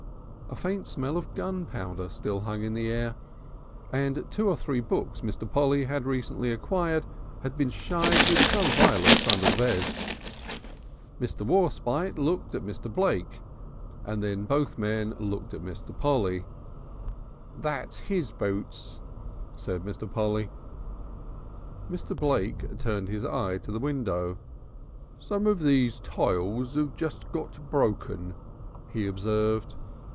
A faint smell of gunpowder still hung in the air, and two or three books Mr. Polly had recently acquired had been shied with some violence under the bed. Mr. Warspite looked at Mr. Blake, and then both men looked at Mr. Polly. "That's his boots," said Mr. Polly. Blake turned his eye to the window. "Some of these tiles 'ave just got broken," he observed.